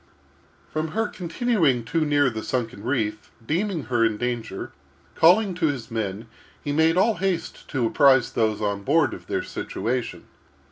From her continuing too near the sunken reef, deeming her in danger, calling to his men, he made all haste to apprise those on board of their situation.